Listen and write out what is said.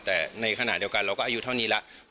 แต่ในขณะเดียวกันเราก็อายุเท่านี้แล้ว